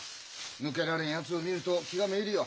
抜けられんやつを見ると気がめいるよ。